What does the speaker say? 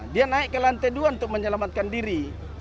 dia naik ke lantai dua untuk menyelamatkan diri